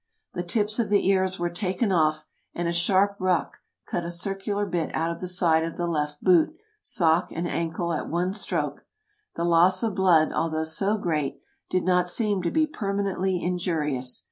The tips of the ears were taken off, "and a sharp rock cut a circular bit out of the side of the left boot, sock, and ankle at one stroke. The loss of blood, although so great, did not seem to be permanently injurious.